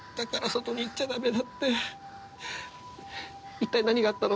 一体何があったの？